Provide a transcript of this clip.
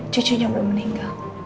cucunya belum meninggal